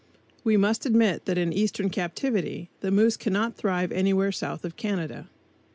We must admit that in eastern captivity the moose cannot thrive anywhere south of Canada.